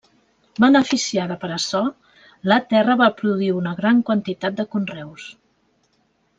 Beneficiada per açò, la terra va produir una gran quantitat de conreus.